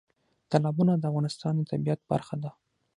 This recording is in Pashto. تالابونه د افغانستان د طبیعت برخه ده.